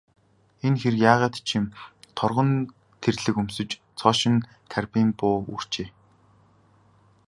Энэ хэр яагаад ч юм бэ, торгон тэрлэг өмсөж, цоо шинэ карбин буу үүрчээ.